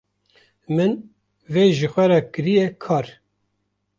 min vê ji xwe re kirîye kar.